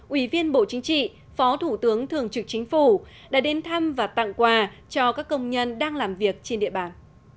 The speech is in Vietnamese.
ủy viên bộ chính trị phó thủ tướng thường trực chính phủ đã đến thăm và tặng quà cho các công nhân đang làm việc trên địa bàn